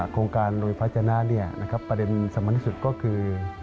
โครงการโรงไฟฟ้าจนะประเด็นสำหรับที่สุดก็คือ